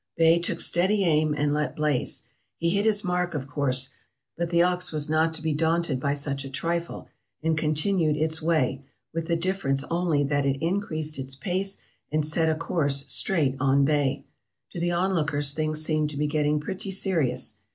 Bay took steady aim, and let blaze. He hit his mark of course, but the ox was not to be daunted by such a trifle, and continued its way, with the difference only that it increased its pace, and set a course straight on Bay. .. To the onlookers things seemed to be getting pretty serious.